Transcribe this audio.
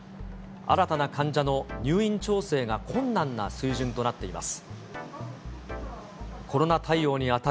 新たな患者の入院調整が困難な水準となっています。